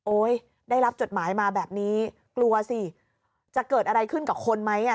ได้รับจดหมายมาแบบนี้กลัวสิจะเกิดอะไรขึ้นกับคนไหมอ่ะ